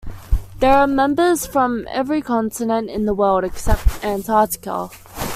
There are members from every continent in the world, except Antarctica.